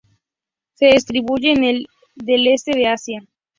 Se distribuye en el del este de Asia.